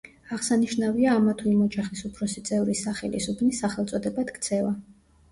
აღსანიშნავია ამა თუ იმ ოჯახის უფროსი წევრის სახელის უბნის სახელწოდებად ქცევა.